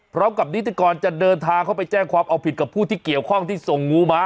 นิติกรจะเดินทางเข้าไปแจ้งความเอาผิดกับผู้ที่เกี่ยวข้องที่ส่งงูมา